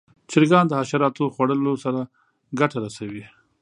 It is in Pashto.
چرګان د حشراتو خوړلو سره ګټه رسوي.